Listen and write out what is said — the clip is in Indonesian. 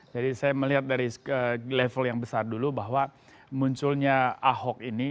jadi saya melihat dari level yang besar dulu bahwa munculnya ahok ini